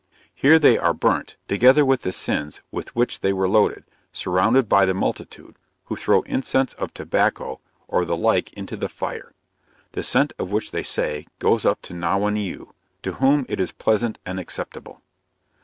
Here they are burnt, together with the sins with which they were loaded, surrounded by the multitude, who throw incense of tobacco or the like into the fire, the scent of which they say, goes up to Nauwaneu, to whom it is pleasant and acceptable.